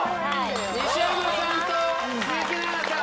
西山さんと鈴木奈々さん